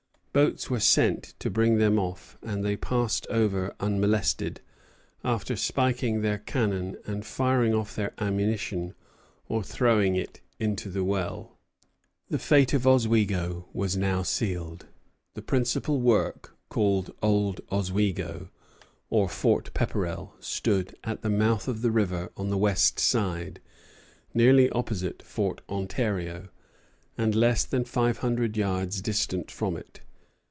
Boats were sent to bring them off; and they passed over unmolested, after spiking their cannon and firing off their ammunition or throwing it into the well. The fate of Oswego was now sealed. The principal work, called Old Oswego, or Fort Pepperell, stood at the mouth of the river on the west side, nearly opposite Fort Ontario, and less than five hundred yards distant from it.